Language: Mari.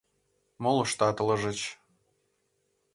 Молыштат ылыжыч.